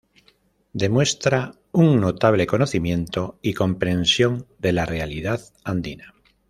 Demuestra un notable conocimiento y comprensión de la realidad andina.